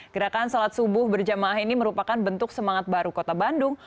gerakan sholat subuh berjamaah ini merupakan bentuk semangat baru kota bandung